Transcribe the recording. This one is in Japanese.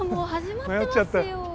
迷っちゃったよ。